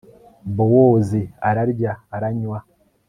bowozi ararya, aranywa